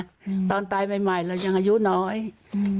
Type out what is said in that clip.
อืมตอนตายใหม่ใหม่เรายังอายุน้อยอืม